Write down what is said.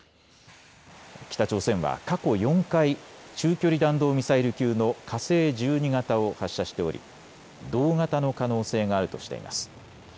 北朝鮮は過去４回、中距離弾道ミサイル級の火星１２型を発射しており同型の可能性があるとしています。